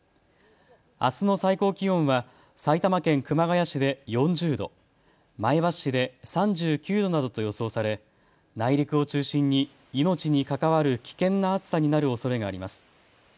あすの最高気温は埼玉県熊谷市で４０度、前橋市で３９度などと予想され内陸を中心に命に関わる危険な暑さになるおそれがあります。